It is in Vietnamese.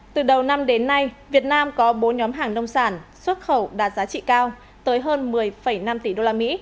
từ đầu năm đến nay việt nam có bốn nhóm hàng nông sản xuất khẩu đạt giá trị cao tới hơn một mươi năm tỷ usd